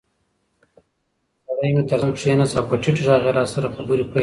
سړی مې تر څنګ کېناست او په ټیټ غږ یې راسره خبرې پیل کړې.